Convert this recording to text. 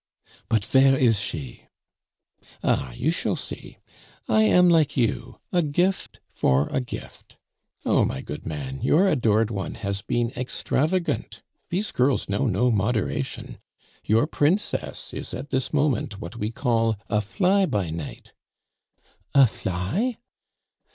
"But vere is she?" "Ah! you shall see. I am like you a gift for a gift! Oh, my good man, your adored one has been extravagant. These girls know no moderation. Your princess is at this moment what we call a fly by night " "A fly